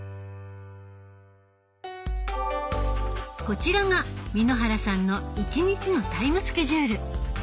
こちらが簑原さんの１日のタイムスケジュール。